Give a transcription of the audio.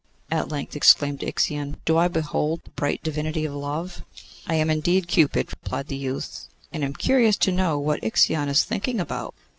at length exclaimed Ixion. 'Do I behold the bright divinity of Love?' 'I am indeed Cupid,' replied the youth; 'and am curious to know what Ixion is thinking about.